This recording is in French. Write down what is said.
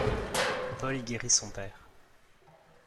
Paul y guérit son père.